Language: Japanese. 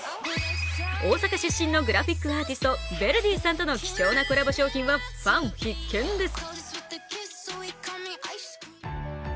大阪出身のグラフィックアーティストＶＥＲＤＹさんとの貴重なコラボ商品はファン必見です。